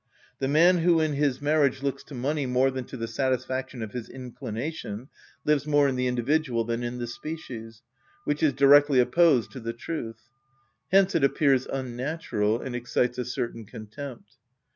The man who in his marriage looks to money more than to the satisfaction of his inclination lives more in the individual than in the species; which is directly opposed to the truth; hence it appears unnatural, and excites a certain contempt.